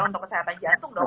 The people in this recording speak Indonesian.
untuk kesehatan jantung dong